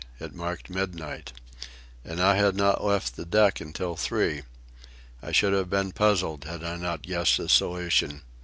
It marked midnight. And I had not left the deck until three! I should have been puzzled had I not guessed the solution.